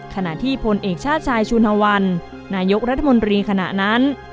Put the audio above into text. ขณะที่พลเอกชาติชายชุนวันนายกรัฐมนตรีขณะนั้น